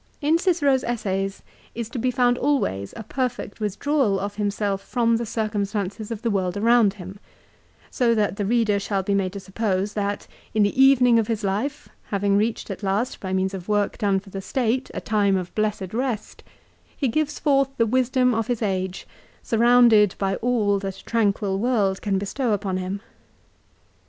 In Cicero's essays is to be found always a perfect with drawal of himself from the circumstances of the world around him ; so that the reader shall be made to suppose that, in the evening of his life, having reached at last by means of work done for the State a time of blessed rest, he gives forth the wisdom of his age, surrounded by all that a tranquil world can bestow upon him.